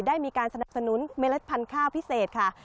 ได้มีการสนับสนุนเมล็ดพันธุ์ข้าวพิเศษค่ะ